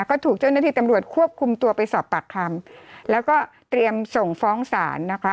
ก็ถูกเจ้าหน้าที่ทำรวจควบคุมตัวไปสอบปากคำ